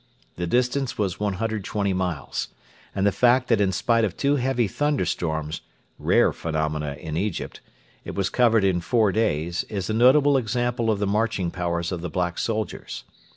The distance was 120 miles, and the fact that in spite of two heavy thunderstorms rare phenomena in Egypt it was covered in four days is a notable example of the marching powers of the black soldiers.